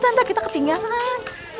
tanda kita ketinggalan